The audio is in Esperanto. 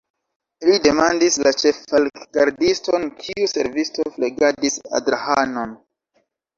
Li demandis la ĉeffalkgardiston, kiu servisto flegadis Adrahanon.